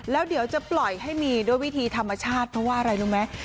แล้วเดี๋ยวจะปล่อยให้มีด้วยวิธีธรรมชาติเพราะว่าอะไรรู้ไหม